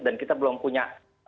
dan kita belum punya